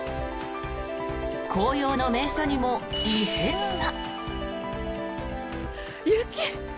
紅葉の名所にも異変が。